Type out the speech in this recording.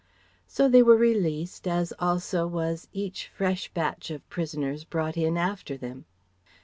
So they were released, as also was each fresh batch of prisoners brought in after them.